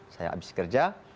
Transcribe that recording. saya abis kerja